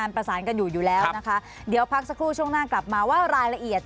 ประสานกันอยู่อยู่แล้วนะคะเดี๋ยวพักสักครู่ช่วงหน้ากลับมาว่ารายละเอียด